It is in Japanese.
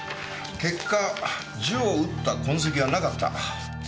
結果銃を撃った痕跡はなかった。